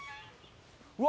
うわ！